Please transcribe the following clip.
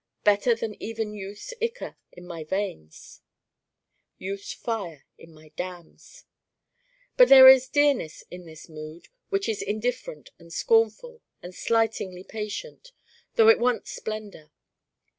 Better than even Youth's ichor in my veins: Youth's fire in my Damns But there is dearness in this mood, which is indifferent and scornful and slightingly patient, though it wants splendor.